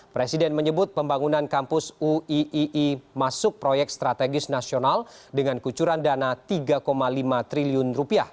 presiden menyebut pembangunan kampus uii masuk proyek strategis nasional dengan kucuran dana rp tiga lima triliun